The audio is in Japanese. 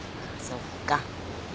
そっか。